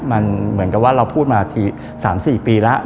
มันเหมือนกับว่าเราพูดมาที๓๔ปีแล้ว